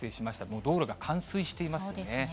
もう道路が冠水していますね。